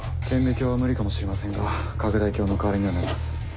顕微鏡は無理かもしれませんが拡大鏡の代わりにはなります。